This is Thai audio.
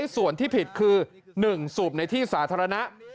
ส่วนที่ผิดคือ๑สูบในที่สาธารณะ